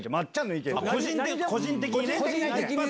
個人的に。